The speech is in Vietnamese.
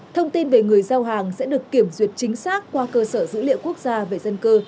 thông tin về người giao hàng sẽ được kiểm duyệt chính xác qua cơ sở dữ liệu quốc gia về dân cư